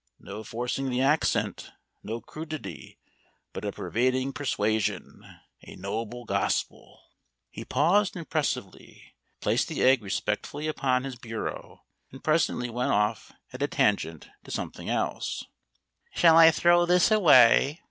No forcing the accent, no crudity, but a pervading persuasion. A noble gospel!" He paused impressively, placed the egg respectfully upon his bureau, and presently went off at a tangent to something else. "Shall I throw this away?"